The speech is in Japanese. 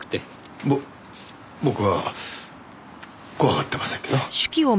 ぼ僕は怖がってませんけど。